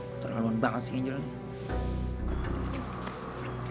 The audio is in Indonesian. keterlaluan banget sih angel ini